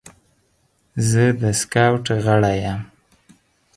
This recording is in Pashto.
زه د سکاوټ غړی یم.